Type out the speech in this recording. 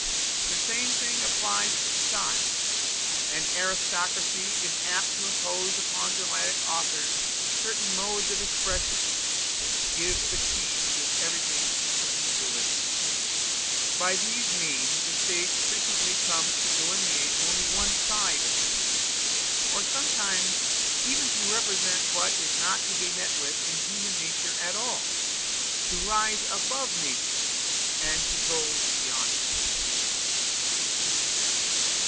The same thing applies to style: an aristocracy is apt to impose upon dramatic authors certain modes of expression which give the key in which everything is to be delivered. By these means the stage frequently comes to delineate only one side of man, or sometimes even to represent what is not to be met with in human nature at all to rise above nature and to go beyond it.